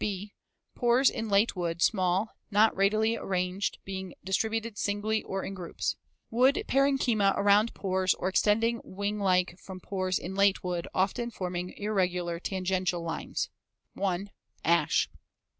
(b) Pores in late wood small, not radially arranged, being distributed singly or in groups. Wood parenchyma around pores or extending wing like from pores in late wood, often forming irregular tangential lines. 1. Ash.